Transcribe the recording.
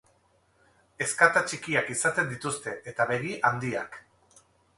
Ezkata txikiak izaten dituzte, eta begi handiak.